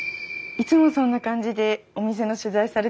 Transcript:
いつもそんな感じでお店の取材されてるんですね。